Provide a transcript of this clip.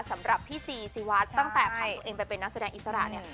สำหรับพี่ซีซีวัดตั้งแต่พาตัวเองไปเป็นนักแสดงอิสระเนี่ย